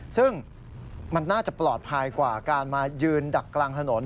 ซึ่งมันน่าจะปลอดภัยกว่าการมายืนดักกลางถนน